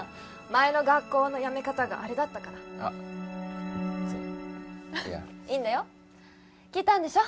前の学校の辞め方があれだったからあいやいいんだよ聞いたんでしょ？